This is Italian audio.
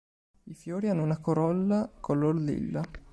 I fiori hanno una corolla color lilla.